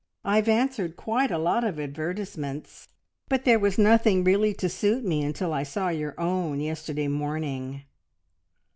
I've answered quite a lot of advertisements, but there was nothing really to suit me until I saw your own yesterday morning."